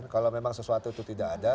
kalau memang sesuatu itu tidak ada